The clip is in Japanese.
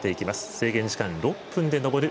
制限時間６分で登る